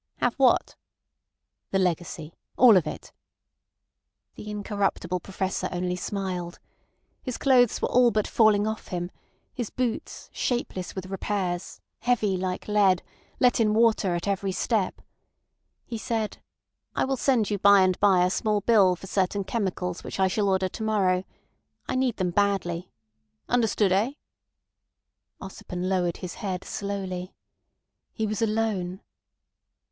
"Have what?" "The legacy. All of it." The incorruptible Professor only smiled. His clothes were all but falling off him, his boots, shapeless with repairs, heavy like lead, let water in at every step. He said: "I will send you by and by a small bill for certain chemicals which I shall order to morrow. I need them badly. Understood—eh?" Ossipon lowered his head slowly. He was alone.